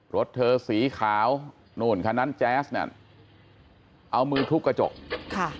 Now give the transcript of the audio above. รถเธอสีขาวนู่นคันนั้นแจ๊สเนี่ยเอามือทุบกระจกค่ะ